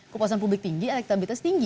kepuasan publik tinggi elektabilitas tinggi